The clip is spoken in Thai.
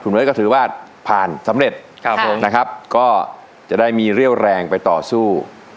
เบิร์ตก็ถือว่าผ่านสำเร็จครับผมนะครับก็จะได้มีเรี่ยวแรงไปต่อสู้